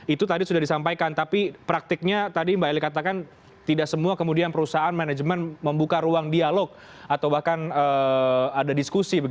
itu tadi sudah disampaikan tapi praktiknya tadi mbak eli katakan tidak semua kemudian perusahaan manajemen membuka ruang dialog atau bahkan ada diskusi